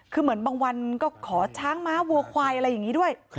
คือเหมือนบางวันก็ขอช้างม้าวัวควายอะไรอย่างนี้ด้วย